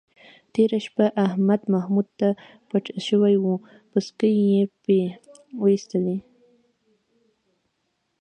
تېره شپه احمد محمود ته پټ شوی و، پسکې یې پې وایستلی.